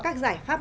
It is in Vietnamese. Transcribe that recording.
các giải pháp